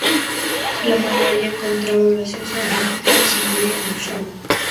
Si la mayoría encontraba graciosa una idea, se incluía en el show.